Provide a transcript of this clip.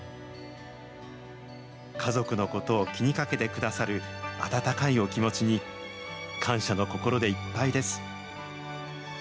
家族のことを気にかけてくださる温かいお気持ちに、感謝の心でいっぱいです。